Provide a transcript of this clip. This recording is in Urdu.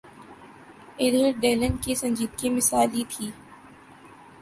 ادھر ڈیلن کی سنجیدگی مثالی تھی۔